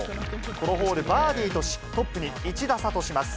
このホール、バーディーとし、トップに１打差とします。